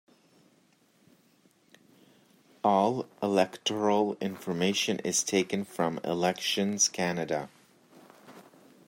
All electoral information is taken from Elections Canada.